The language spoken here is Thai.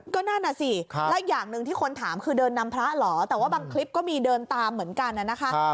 ก็นั่นน่ะสิและอีกอย่างหนึ่งที่คนถามคือเดินนำพระเหรอแต่ว่าบางคลิปก็มีเดินตามเหมือนกันนะคะ